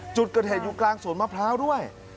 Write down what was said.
จุดเกิดเหตุอยู่กลางสวนมะพร้าวด้วย